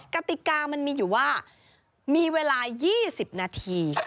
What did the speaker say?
กติกามันมีอยู่ว่ามีเวลา๒๐นาที